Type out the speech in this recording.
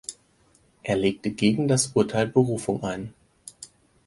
Er legte gegen das Urteil Berufung ein.